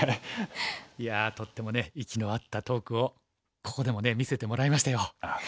いやとってもね息の合ったトークをここでも見せてもらいましたよ。